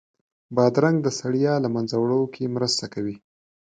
بادرنګ د ستړیا له منځه وړو کې مرسته کوي.